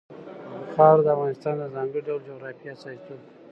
خاوره د افغانستان د ځانګړي ډول جغرافیه استازیتوب کوي.